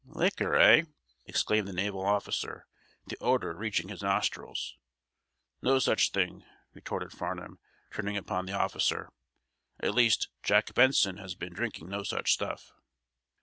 "Liquor, eh?" exclaimed the naval officer, the odor reaching his nostrils. "No such thing," retorted Farnum, turning upon the officer. "At least, Jack Benson has been drinking no such stuff."